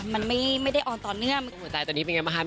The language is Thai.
มันไม่ได้ออนต่อเนื่องหัวใจตอนนี้เป็นไงบ้างครับ